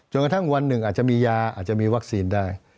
กระทั่งวันหนึ่งอาจจะมียาอาจจะมีวัคซีนได้